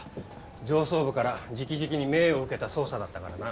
上層部から直々に命を受けた捜査だったからな。